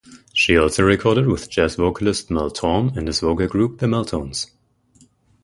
She also recorded with jazz vocalist Mel Torme and his vocal group the Mel-Tones.